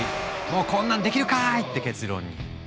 もうこんなんできるかい！って結論に。